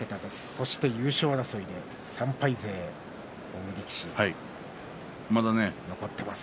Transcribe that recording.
そして優勝争い、３敗勢で追う力士、残っています。